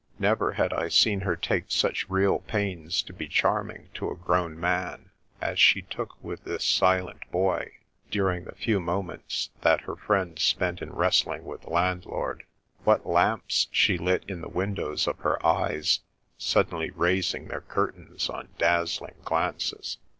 Never had I seen her take as much real pains to be charming to a grown man, as she took with this silent boy, during the few moments that her friends spent in wrestling with the landlord. What lamps she lit in the windows of her eyes, sud denly raising their curtains on dazzling glances!